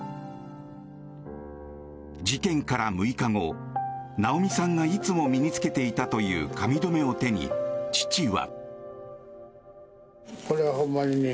事件から６日後奈央美さんがいつも身に着けていたという髪留めを手に、父は。